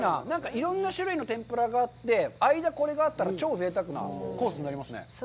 いろんな種類の天ぷらがあって、間、これがあったら、超ぜいたくなコースになりますね。